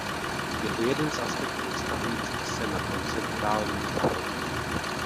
Je to jeden z aspektů vztahujících se na procedurální záruky.